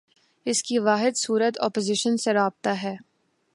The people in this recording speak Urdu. اس کی واحد صورت اپوزیشن سے رابطہ ہے۔